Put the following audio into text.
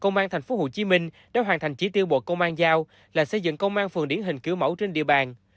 công an thành phố hồ chí minh đã hoàn thành chỉ tiêu bộ công an giao là xây dựng công an phường điển hình kiểu mẫu trên địa bàn